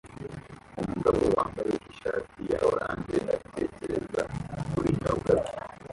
Umugabo wambaye ishati ya orange atekereza kubinyobwa bye